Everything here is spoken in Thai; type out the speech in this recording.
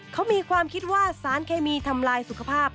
เขามีความคิดว่าสารเคมีทำลายสุขภาพ